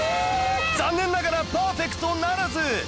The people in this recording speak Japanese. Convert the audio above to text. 残念ながらパーフェクトならず